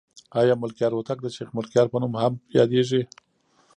آیا ملکیار هوتک د شیخ ملکیار په نوم هم یادېږي؟